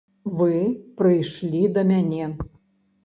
Вы прыйшлі да мяне.